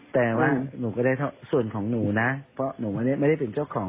แต่ว่าหนูก็ได้ส่วนของหนูนะเพราะหนูไม่ได้เป็นเจ้าของ